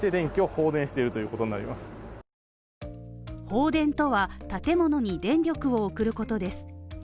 放電とは、建物に電力を送ることです。